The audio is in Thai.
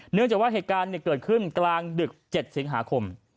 เนื่องจากว่าเหตุการณ์เกิดขึ้นกลางดึก๗สิงหาคม